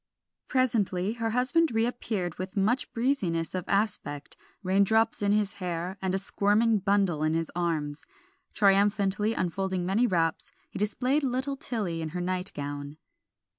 Presently her husband reappeared with much breeziness of aspect, rain drops in his hair, and a squirming bundle in his arms. Triumphantly unfolding many wraps, he displayed little Tilly in her night gown.